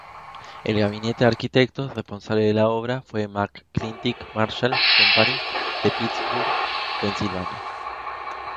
El gabinete de arquitectos responsable de la obra fue McClintic-Marshall Company de Pittsburgh, Pennsylvania.